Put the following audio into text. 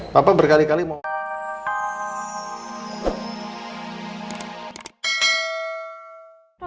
papa berkali kali mau